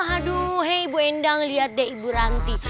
aduh hei bu endang liat deh ibu ranti